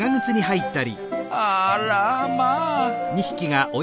あらまあ！